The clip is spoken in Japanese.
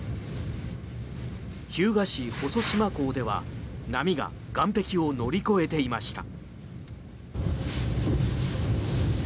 日向市・細島港では波が岸壁を乗り越えていました。